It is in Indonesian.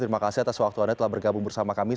terima kasih atas waktu anda telah bergabung bersama kami